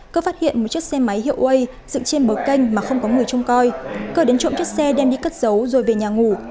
cơ phát hiện một chiếc xe máy hiệu way dựng trên bờ kênh mà không có người trông coi cơ đến trộm chiếc xe đem đi cất giấu rồi về nhà ngủ